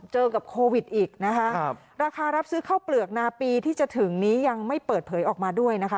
เจอกับโควิดอีกนะคะครับราคารับซื้อข้าวเปลือกนาปีที่จะถึงนี้ยังไม่เปิดเผยออกมาด้วยนะคะ